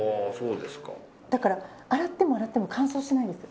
だから洗っても洗っても乾燥しないんです。